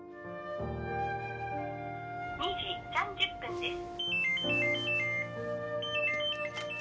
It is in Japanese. ２時３０分です